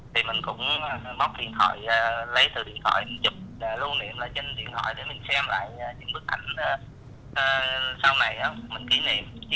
thì mình cũng móc điện thoại lấy từ điện thoại mình chụp lưu niệm lại trên điện thoại để mình xem lại những bức ảnh sau này á